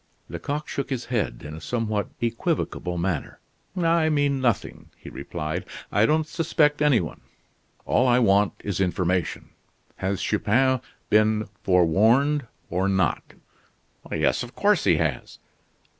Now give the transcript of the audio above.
Lecoq shook his head, in a somewhat equivocal manner. "I mean nothing," he replied, "I don't suspect any one. All I want is information. Has Chupin been forewarned or not?" "Yes, of course he has."